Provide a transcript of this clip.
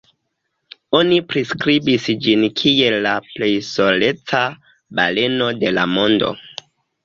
Oni priskribis ĝin kiel la "plej soleca baleno de la mondo".